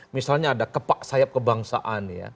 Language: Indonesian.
misalnya ada kepak sayap kebangsaan ya